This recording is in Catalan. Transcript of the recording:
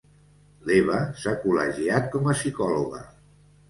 L'Eva s'ha col·legiat com a psicòloga.